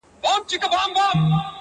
پاچا په خپلو لاسو بيا سپه سالار وتړی,